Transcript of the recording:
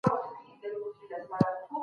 څوک په هېواد کي د هر فرد د حقونو ساتنه کوي؟